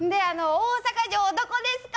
大阪城、どこですか？